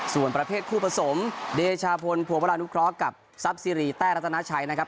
ส่วนประเภทคู่ผสมเดชาพลโพปอลานุ๊กคล็อกกับซับซีรีส์แต้รัฐนาชัยนะครับ